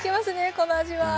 この味は！